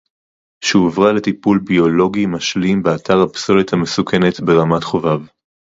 שהועברה לטיפול ביולוגי משלים באתר הפסולת המסוכנת ברמת-חובב